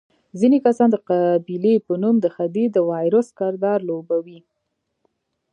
ځینې کسان د قبیلې په نوم د خدۍ د وایروس کردار لوبوي.